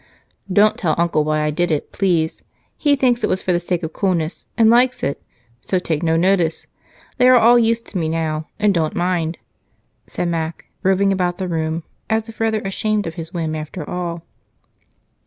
"Don't tell Uncle why I did it, please he thinks it was for the sake of coolness and likes it, so take no notice. They are all used to me now, and don't mind," said Mac, roving about the room as if rather ashamed of his whim after all.